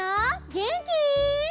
げんき？